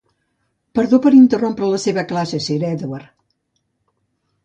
Perdó per interrompre la seva classe, Sir Edward.